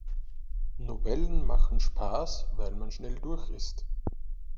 Novellen machen Spaß, weil man schnell durch ist.